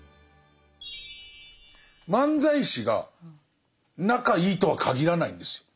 漫才師が仲いいとはかぎらないんですよ。